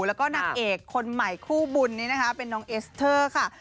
แล้วก็นางเอกคนใหม่คู่บุญนี้นะคะเป็นน้องเอสเตอร์ค่ะ